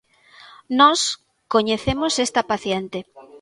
Nós coñecemos esta paciente.